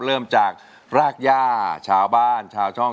เริ่มจากรากย่าชาวบ้านชาวช่อง